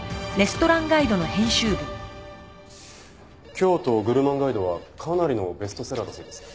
『京都グルマンガイド』はかなりのベストセラーだそうですね。